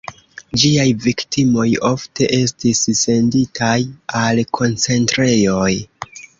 Ĝiaj viktimoj ofte estis senditaj al koncentrejoj.